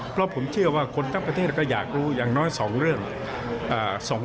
เพราะผมเชื่อว่าคนทั้งประเทศก็อยากรู้อย่างน้อย๒เรื่อง